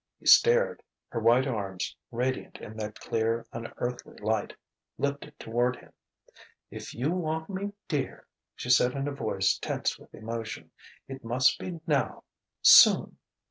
He stared. Her white arms, radiant in that clear, unearthly light, lifted toward him. "If you want me, dear," she said in a voice tense with emotion "it must be now soon!